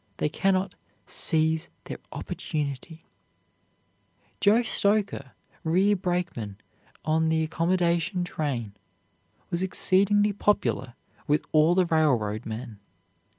They cannot seize their opportunity. Joe Stoker, rear brakeman on the accommodation train, was exceedingly popular with all the railroad men.